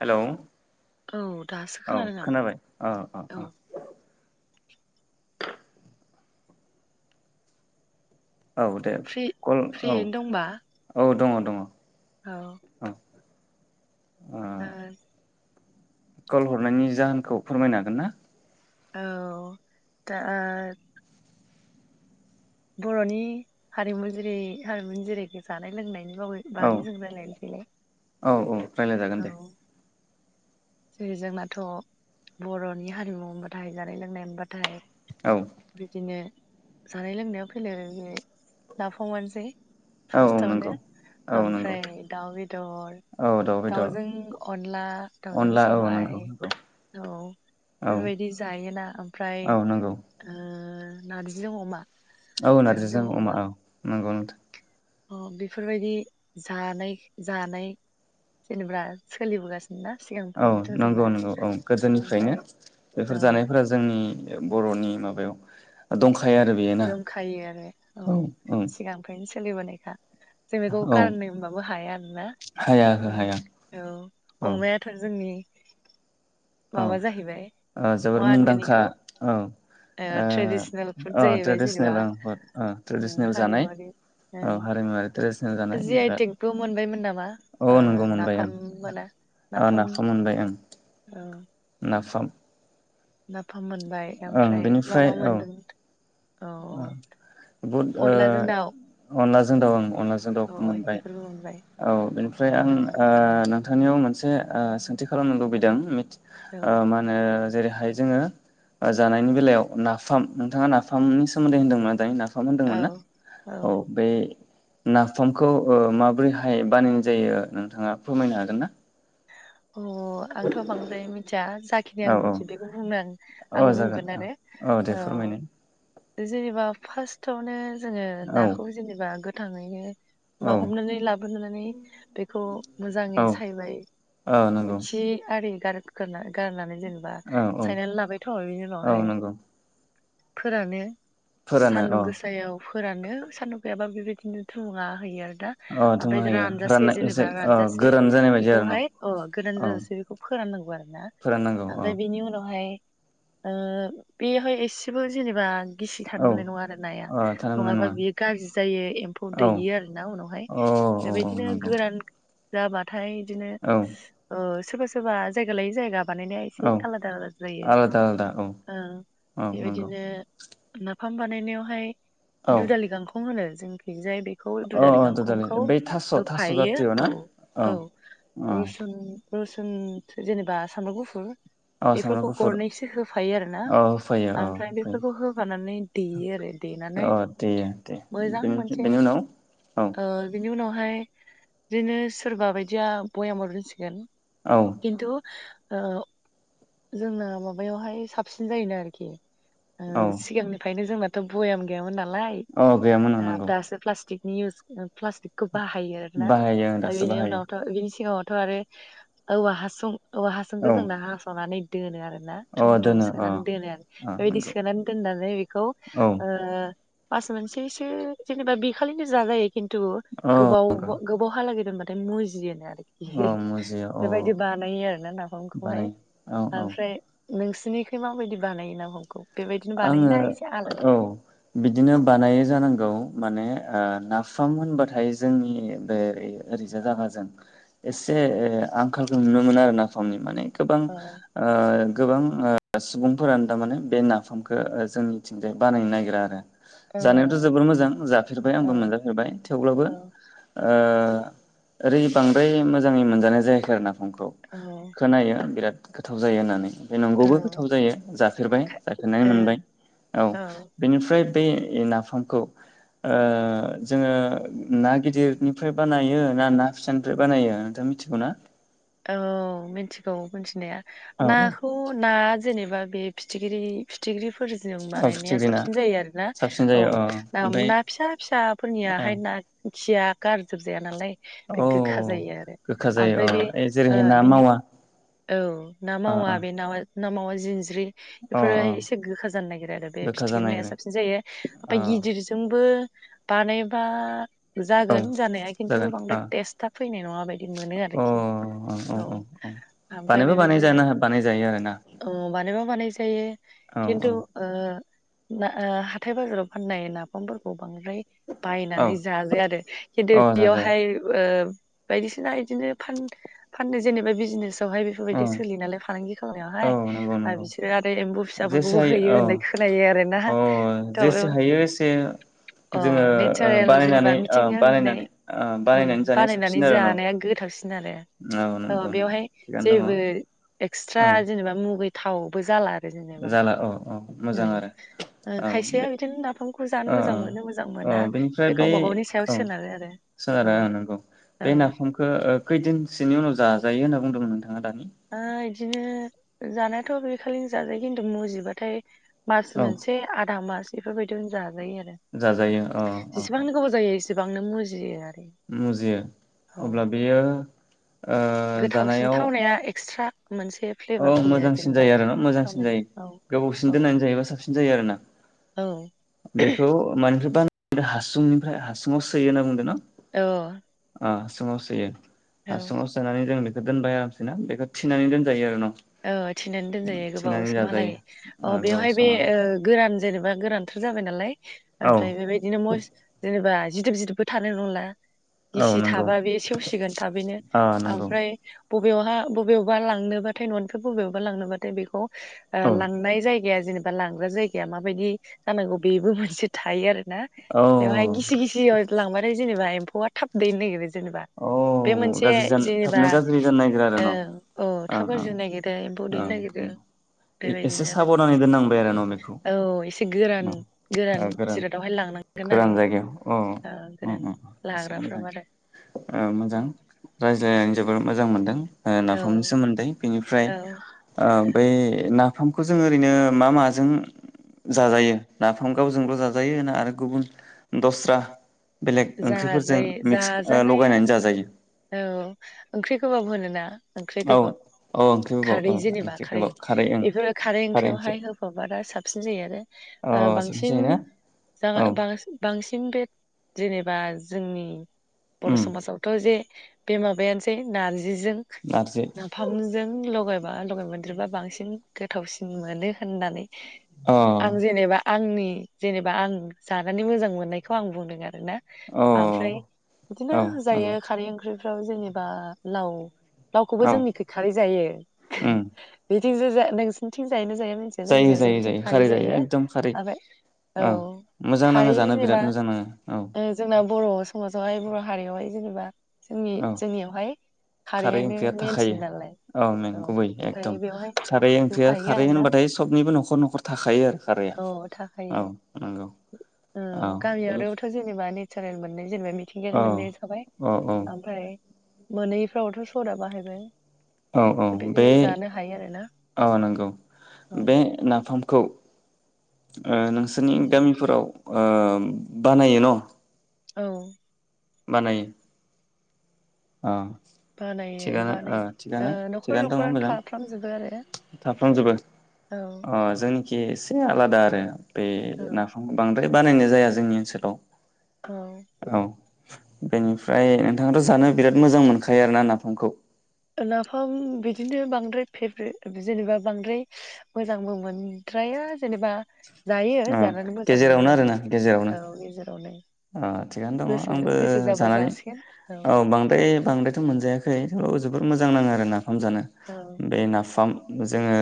Hello औ दासो औ खोनादों आं खोनाबाय ओ ओ औ ओ औ दे फ्रि कल औ फ्रियैनो दंबा औ दङ दङ औ ओ कल हरनायनि जाहोनखौ फोरमायनो हागोन ना? औ दा ओ बर'नि हारिमु जेरै हारिमुनि जेरै जानाय लोंनायनि औ बागै जों रायलायनोसैलाय औ औ रायलायजागोन दे औ जेरै जोंना थ' बर'नि हारिमु होनबाथाय जानाय लोंनाय होनबाथाय औ बिदिनो जानाय लोंनायाव फैलेर बि नाफामानोसै औ औ फार्स्टआवनो नंगौ औ नंगौ ओमफ्राय दाउ बेदर औ दाउ बेदर दाउजों अनला दावजों अनला औ सबाय नंगौ नंगौ औ औ बेफोरबायदि जायोना ओमफ्राय औ नंगौ ओ ओ नार्जिजों अमा औ नारजिजों अमा औ नंगौ अ बेफोरबायदि जानाय जानाय जेनेबा सोलिबोगासिनो ना औ सिगांनिफ्रायनोथ' जोंना नंगौ नंगौ औ गोदोनिफ्रायनो ओमफ्राय बेफोर औ जानायफोरा जोंनि बर'नि माबायाव दंखा दंखायो आरो औ औ सिगांनिफ्रायनो सोलि बोनाय खा जों बेखौ औ गारनोबाबो हाया आरोना हाया हो हाया ओं औ अमायाथ' जोंनि ओम औ ओ जोबोर होनगोन मुंदांखा इखौ औ ओ ट्रेडिसनेल फुड ओ अ जाहैबाय जेनेबा ट्रेडिसनेल अ ओं ओं ट्रेडिसनेल जानाय हारिमुवारि ओं हारिमुवारि ट्रेडिसनेल जानाय जि बिराद आइटेकबो मोनबायमोन नामा औ ओ नंगौ मोनबाय आं नाफाम मोना औ नाफाम मोनबाय आं औ नाफाम ना नाफाम मोनबाय ओं ओमफ्राय मा बेनिफ्राय मा औ मोनदों? औ बहुद अनलाजों दाउ ओ अनलाजों दाउ आं अनलाजों औ दाउखौ मोनबाय बेफोरबो मोनबाय औ बेनिफ्राय आं औ नों नोंथांनियाव मोनसे ओ सोंथि खालामनो लुबैदों। औ ओ मा ओनो जेरैहाय जोङो ओ जानायनि बेलायाव नाफाम नोंथाङा नाफामनि सोमोन्दै होनदोंमोन दायो ना फाम औ होनदोंमोन ना औ बे नाफामखौ ओ माबोरैहाय बानायनाय जायो नोंथाङा फोरमायनो हागोन ना? अह आंथ बांद्राय मिनथिया जाखिनि औ आं औ मिथियो बेखौ बुंनो आं आं औ जागोन बुंगोन औ आरो औ दे फोरमायनाय औ जेनेबा फास्टआवनो जोङो औ नाखौ जेनेबा गोथ थांयैनो औ बा हमनानै लाबोनानै बेखौ औ मोजाङै सायबाय औ नंगौ। गारि गारखोना गारनानै जेनेबा औ औ सायनानै लाबायथ बेनि औ उनावहाय नंगौ फोरानो फोरानो औ सान्दुं गोसायाव फोरानो सान्दुं गैयाबा बेबायदिनो थुङा होयो आरो ना अह ओमफ्राय दुङा होयो रानजासे राननाय एसे ओ गोरान जानाय बायदि आरो न। अह गोदान औ जाजासे बेखौ फोराननांगौ आरो ना फोराननांगौ औ ओमफाय बेनि उनावहाय ओ बेहाय एसेबो जेनेबा गिसि थानो औ मोननाय नङा आरो नाया ओ थानो मोननाय नङाबा नङा बियो गाज्रि जायो एम्फौ औ दैयो आरोना उनावहाय औ औ औ बेबायदिनो नंगौ गोरान जाबाथाय बिदिनो औ। ओ सोरबा सोरबा जायगा लायै जायगा बानायनाया एसे औ आलादा आलादा जायो आलादा आलादा औ ओ औ नंगौ बेबायदिनो नाफाम बानायनायावहाय औ दुधालि गांखं होनो जों खैजाय बे खौ अ दुदालि अ टटेलि गांखंखौ बै थास' थास' होफायो जातिय' ना औ औ। औ रसुन रुसुन जेनेबा सामब्राम गुफुर औ सामब्राम बेफोरखौ गुफुर गरनैसो होफायो आरोना औ होफायो औ ओमफ्राय बेफोरखौ होफायो होफानानै देयो आरो देनानै औ देयो दे मोजां बेनि मोनसे बेनि उनाव औ ओ बेनि उनावहाय बिदिनो सोरबा बायदिया बयामबो दोनसिगोन औ खिनथु ओ जोंना माबायावहाय साबसिन जायोनो आरोखि। ओ औ सिगांनिफ्रायनो जोंना थ बयाम गैयामोन ना नालाय औ गैयामोन औ नंगौ दासो प्लास्टिक इउस प्लास्टिकखौ बाहायो आरोना बाहायो आं दासो बिनि बाहायो उनावथ' बि सिङावथ' आरो औवा हासुं औ हासुंखो जोंना हास'नानै दोनो आरो। ना थुम अ थुम दोनो अ सोनानै दोनो अ बेबायदि नंगौ सोनानै दोननानै बेखौ औ ओ मास मोनसेसो जेनेबा बेखालिनो जाजायो। खिन्थु औ गोबाव गोबावहालागै दोनबाथाय मुजियोनो आरो। औ [unintelligible] मुजिया अ बेबायदि बानायो आरो ना नाफामखौहाय बानायो औ औ आमफ्राय नोंसिनिखै माबायदि बानायो नाफामखौ? बेबायदिनो आङो बानायोना एसे आलादा औ बिदिनो बानायो जानांगौ। माने ओ नाफाम होनबाथाय जोंनि बे ओरैजा जागाजों एसे आंखालखौ नुनो मोनो आरो नाफामनि माने गोबां औ ओ गोबां ओ सुबुंफोरानो थारमाने बे ना फामखो ओ जोंनिथिंजाय बानायनो नागिरा आरो। ओ जानायावथ' जोबोर मोजां जाफेरबाय औ आंबो मोनजाफेरबाय थेवब्लाबो ओ ओरै बांद्राय मोजाङै मोनजानाय जायाखै आरो नाफामखो। खौ औ खोनायो बिराद गोथाव जायो होननानै। बे औ नंगौबो गोथाव जायो जा जाफेरबाय। खा- जाफेरनाय मोनबाय औ ओ बेनिफ्राय बे नाफामखौ ओ जोङो ना गिदिरनिफ्राय बानायो ना ना फिसानिफ्राय बानायो नोंथां मिथिगौना? औ मिथिगौ मिथिनाया। औ औ नाखौ ना जेनेबा बे फिथिख्रि फिथिख्रि फोरजों औ बानायनाया फिथिख्रि ना साबसिन जायो आरोना साबसिन औ जायो अ ना ओमफ्राय ना फिसा फिसाफोरनियाहाय ना खिया गारजोबजाया नालाय। बे औ गोखा जायो आरो गोखा जायो ओमफ्राय बे अ ओ जेरैहाय ना बिनि मावा औ ना अ मावा अ बे नाव ना मावा जिनज्रि अ अ बेफोरोहाय एसे गोखा जानो नागिरो आरो बे गोखा फिथिख्रि जानो नाया नागिरो साबसिन जायो ओमफाय अ गिदिरजोंबो बानायोबा। औ जागोन जानाया खिन्थु जागोन अ बांद्राय टेस्टा फैनाय नङा बायदि मोनो अ औ आरोखि। औ ओमफ्राय बानायबो बानाय बेबायदिनो जानो बानाय जायो आरोना औ बानायोबा बानाय जायो औ खिन्थु औ ओ ना ओ‌ हाथाय बाजाराव फाननाय नाफामफोरखौ बांद्राय औ बायनानै जाजाया आरो खिन्थु औ जाजाया बेयावहाय ओ बायदिसिना इदिनो फान फाननो जेनेबा बिजनेस बेवहाय औ बेफोरबायदि सोलियो नालाय फालांगि औ खालामनायावहाय नंगौ आरो नंगौ बिसोरो फ्राय एम्बौ जेसे फिसाफोरखौबो हायो होयो होननाय खोनायो आरोना औ अ था जेसे हायो एसे अ जोङो ओ नेचारेल जेनेबा बानायनानै ओ मिथिंगायाव मोननाय बानायनानै ओ बानायनानै जानाया बानायनानै साबसिन आरो जानाया न' गोथावसिन आरो औ ओ नंगौ नंगौ बेवहाय थिगानो दङ जेबो एक्सट्रा औ जेनेबा मु मुगैथावबो जाला आर जाला औ औ। मोजां आरो ओ औ खायसेया बे बिदिनो नाफामखौ जानो ओ मोजां ओ मोनो मोजां ओ मोना बेनिफ्राय बे गावबा गावनि सायाव औ सोनारो आरो औ सोनारो ओ नंगौ बे औ नाफामखौ खैदिनसोनि उनाव जा जाजायो होनना बुंदोंमोन नोंथां ओ इदिनो जानायाथ' बे खालिनो जाजायो खिन्थु मुजिबाथाय मास औ मोनसे आधा मास बेफोरबायदियावनो जाज जाजायो आरो जाजायो औ औ औ जेसेबांनो गोबाव जायो एसेयैनो एसेबांनो मुजियो आरो मुजियो औ अब्ला बेयो ओज गोथावसिन थावनाया एक्सट्रा मोनसे फ्लेभार औ फैयो आरो मोजांसिन जेनेबा जायो आरो ना मोजांसिन थावनाय जायो औ गोबावसिन औ दोननानै जायोबा साबसिन जायो आरो ना। औ बेखौ माने ओमफ्राय बा हासुंनिफ्राय हासुुंआव सोयो होनना बुंदों न‌। औ। सोमाव सोयो। औ हासुंआव सोनानै जों बिख दोनबाय आरामसेना बेखौ थिनानै दोन जायो आरो न। औ थिनानै दोनजायो गोबाव थिनानै जाजायो समहालाायै ओ अ गोबाव बेवहाय बे सम गोरान जेनेबा गोरानथार जाबाय नालाय आरो ओमफ्राय बेबायदिनो मस्त जेनेबा जिदोब जिदोब बो थानाय नंला। औ औ गिसि नंगौ थाबा बे सेवसिगोन थाबैनो ओ नंगौ ओमफ्राय बबेयावहा बबेयावबा लांनो बा बाथाय न'निफाय बबेयावबा लांनो बाथाय बेखौ ओ औ लांनाय जाय जायगाया जेनेबा लांग्रा जायगाया माबायदि जानांगौ बेबो मोनसे थायो आरो। ना बेवहाय औ गिसि गिसियाव लांबाथाय जेनेबा फौवा थाब दैनो नायगिरो। जेनेबा बे औ मोनसे गाज्रि जानो जेनेबा थाबनो गाज्रि जानो नागिरो आरो न' ओं अ थाब ओं गाज्रि ओं जानो नागिरो एम्फौ दैनो ओं नागिरो ओं एसे बेबायदिनो आरो। साबधानै दोननांबाय आरो न' बेखौ औ एसे गोरान ओ गोरान जिरादआवहाय लांनांगोन आरो गोरान जायगायाव औ उम गोरान उम एसे मोजां लाग्राफ्राव आरो ओ औ मोजां रायज्लायनानै जोबोर मोजां मोनदों ओ औ नाफामनि सोमोन्दै बेनिफ्राय औ ओ बै ना नाफामखो जों ओरैनो मा माजों जाजायो नाफाम गावजोंल' जाजायो ना आरो गुबुन दस्रा बेलेग ओंख्रिफोरजों जाजायो मिक्स ओ जाजानाया ल'गानानै जाजायो? औ ओंख्रि गोबाब होनोना? ओंख्रि औ गोबाब औ ओंख्रि गोबाव खारै औ जेनेबा ओंख्रि खारै गोबाव ओं बेफोरो खारै ओंख्रियावहाय होफाबा दा साबसिन जायो आरो अ ओ संनोसै बांसिन ना जा औ बां-बांसिन थिं बे जेनेबा जोंनि बर' उम समाजावथ' जे बे माबायानोसै नार जिजों नारजि नाफामजों ल'गाय ओ लगाय मोनदेरबा बांसिन गोथावसिन मोनो होननानै अ आं जेनेबा आंनि जेनेबा आं जानानै मोजां मोननायखौ आं बुंदों आ ना अ आमफ्राय बिदिनो औ जायो नंगौ खारै ओं ओंख्रिफ्राव जेनेबा लाव लावखौबो औ जोंनिखै खारै जायो उम नोंसिनिथिं जायोनो जाया? मिथिया जायो जायखिजाया जायो जोंनिथिं जायो खारै जायो एकदम खारै ओमफ्राय औ मोजां खारै नाङो जानो जेनेबा बिराद मोजां नाङो औ। ओ जोंना बर' समाजावहाय बर‌'हारियावहाय जेनेबा जोंनि औ जोंनियावहाय खारै खारैआनो ओंख्रिया मेनसिन नालाय थाखायो औ नंगुबै एकदम ओमफ्राय बेवहाय खारै ओंख्रिया होफायो खारै आरोना होनबाथाय सबनिबो नखर नखर थाखायो आरो खारैआ औ थाखायो औ नंगौ औ। साराय मोनै जेनेबा मिथिंगायारि मोननाय थाबाय औ ओमफ्राय मोनैफ्रावथ सदा बाहायबाय। औ औ बे बेबायदिनो जानो हायो आरोना औ नोंगौ बे औ नाफामखौ ओ नोंसोरनि उम, गामिफोराव ओम बानायो न? औ। बानायो। अ। बानायो थिगानो ओ बानाय ओ नखर नखरानो थाफ्रामजोबो आरो। थाफ्लांजोबो औ अ जोंनि खि एसे आलादा आरो। बे औ नाफाम बां बे बानायनाय जाया जोंनि औ ओनसोलाव। औ। बेनिफ्राय नोंथाङाथ जानो बिराद मोजां मोनखायो आरो ना नाफामखौ? नाफाम बिदिनो बांद्राय फेभ्रेट जेनेबा बांद्राय मोजांबो मोनद्राया जेनेबा। जायो अ जानानै मोजां गेजेरावनो मोनो आरोना आरो गेजेरावनो औ गेजेरावनो अ थिगानो दङ गोसो आंबो गोसो जाबा जानानै जासिगोन औ बांद्राय बांद्रायथ मोनजायाखै थेवबाबो जोबोर मोजां नाङो आरोना। नाफाम जानो औ बे नाफाम जोङो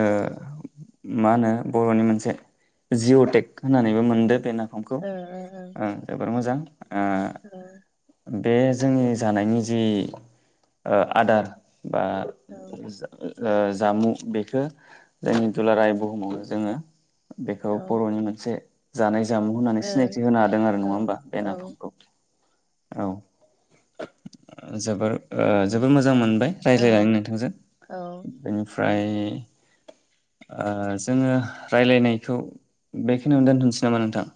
मा होनो बर'नि मोनसे जिअटेक होननानैबो मोनदों बे ना ओ ओ ओं। मोजां। ओ औ। बे जोंनि जानायनि जि ओ आदार बा औ ओ जामु बेखो जोंनि दुलाराय बुहुमावनो जोङो बेखौ बर'नि मोनसे जानाय जामु होननानै सिनायथि होनो हादों आरो नङा बा बे नाफामखौ औ जोबोर ओ जोबोर मोजां मोन बाय रायलायनानै नोंथांजों औ बेनि ओमफ्राय ओ जोङो राय्लायनायखौ बेखिनियावनो दोनथ'नोसै नामा नोंथां?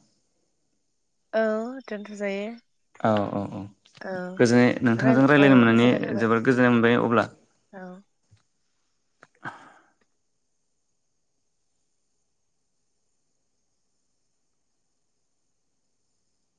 औ दोनथ' जायो औ औ औ औ गोजोन नोंथांजों रायलाय रायज्लायनो औ मोननानै गोजोननाय थाबाय जोबोद गोजोननाय मोनबाय अब्ला औ